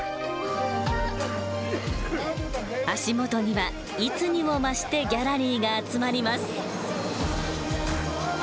足元にはいつにもましてギャラリーが集まります。